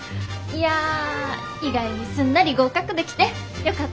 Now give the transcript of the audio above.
いや意外にすんなり合格できてよかったです。